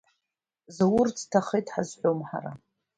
Заур дҭахеит ҳазҳәом ҳара.